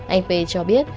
anh p cho biết